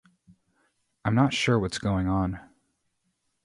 I'm not sure what's going on.